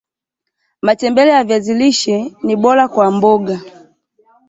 matembele ya viazi lishe ni bora kwa mboga